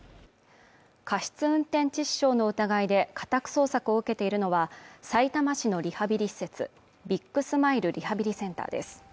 過失運転致死傷の疑いで家宅捜索を受けているのはさいたま市のリハビリ施設ビッグスマイルリハビリセンターです